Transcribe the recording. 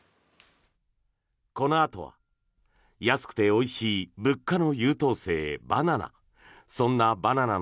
このあとは、安くておいしい物価の優等生バナナ。